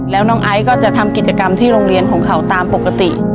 แล้วน้องไอซ์ก็จะทำกิจกรรมที่โรงเรียนของเขาตามปกติ